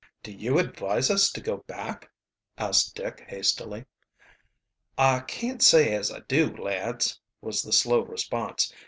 "Do you advise us to go back?" asked Dick hastily. "I can't say as I do, lads," was the slow response.